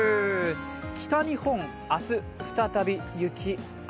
北日本、明日再び雪・雨。